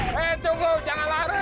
hei tunggu jangan lari